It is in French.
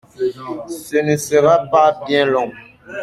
Ce ne sera pas bien long.